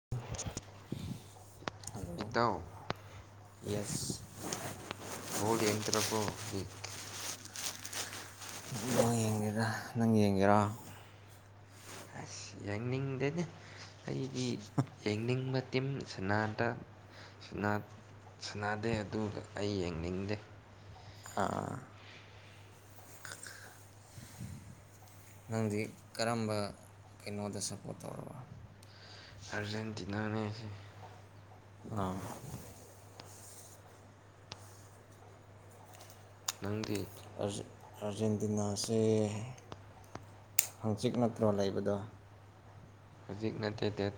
[inaudible] hello ꯏꯇꯥꯎ yes ꯕꯣꯜ ꯌꯦꯡꯗ꯭ꯔꯥꯕꯣ ꯍꯧꯖꯤꯛ ꯕꯣꯜ ꯌꯦꯡꯗꯦꯗ ꯅꯪ ꯌꯦꯡꯒꯦꯔꯣ ꯑꯁ ꯌꯦꯡꯅꯤꯡꯗꯦꯍꯦ ꯑꯩꯗꯤ ꯌꯦꯡꯅꯤꯡꯕ ꯇꯤꯝ ꯁꯅꯥꯗ ꯁꯅꯥ ꯁꯅꯥꯗꯦ ꯑꯗꯨꯒ ꯑꯩ ꯌꯦꯡꯅꯤꯡꯗꯦ ꯑꯥ ꯅꯪꯗꯤ ꯀꯔꯝꯕ ꯀꯩꯅꯣꯗ ꯁꯞꯄꯣꯔꯠ ꯇꯧꯔꯕ ꯑꯔꯖꯦꯟꯇꯤꯅꯥꯅꯦ ꯉꯥꯁꯤ ꯑꯥ ꯅꯪꯗꯤ ꯑꯥꯔꯖꯦꯟ ꯑꯥꯔꯖꯦꯟꯇꯤꯅꯥꯁꯦ ꯍꯪꯆꯤꯛ ꯅꯠꯇ꯭ꯔꯣ ꯂꯩꯕꯗꯣ ꯍꯧꯖꯤꯛ ꯅꯠꯇꯦ ꯗꯦꯠ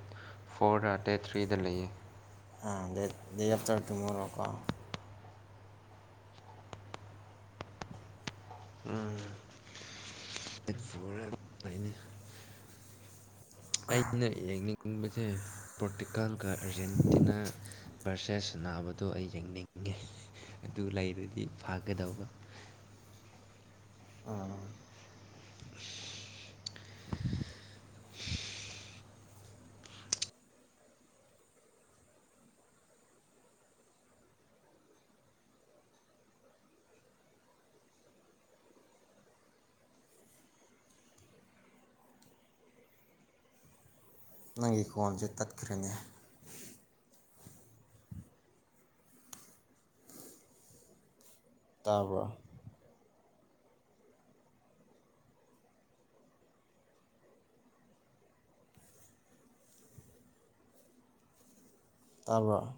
ꯐꯣꯔꯗ ꯗꯦꯠ ꯊ꯭ꯔꯤꯗ ꯂꯩꯌꯦ ꯑ ꯗ‌ꯦꯠ ꯗ‌ꯦ ꯑꯞꯇꯔ ꯇꯨꯝꯃꫭꯔꫭꯀꫭ ꯎꯝ ꯗꯦꯠ ꯐꯣꯔꯝ ꯅꯩꯅꯤ ꯑꯩꯅ ꯌꯦꯡꯅꯤꯡꯅꯤꯡꯕꯁꯦ ꯄꯣꯔꯇꯤꯀꯜꯒ ꯑꯔꯖꯦꯟꯇꯤꯅꯥ ꯄꯔꯁꯦꯁ ꯁꯥꯅꯥꯕꯗꯣ ꯑꯩ ꯌꯦꯡꯅꯤꯡꯉꯦ ꯑꯗꯨ ꯂꯩꯔꯗꯤ ꯐꯥꯒꯗꯧꯕ ꯑꯥ ꯅꯪꯒꯤ ꯀꫭꯟꯁꯦ ꯇꯠꯈ꯭ꯔꯦꯅ‌ꯦ ꯇꯥꯕ‌꯭ꯔꫭ ꯇꯥꯕ‌꯭ꯔꫭ